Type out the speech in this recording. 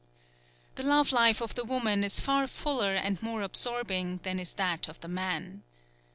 The love life of the woman is far fuller and more absorbing than is that of the man.